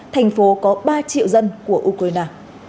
thành phố có ba triệu dân của ukraine